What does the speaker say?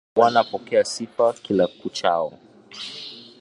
Bwana pokea sifa kila kuchao.